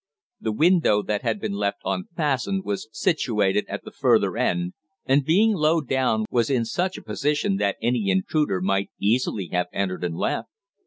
The window that had been left unfastened was situated at the further end, and being low down was in such a position that any intruder might easily have entered and left.